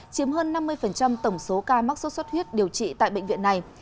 chiếm hơn năm mươi tổng số ca mắc sốt xuất huyết điều trị tại bệnh viện này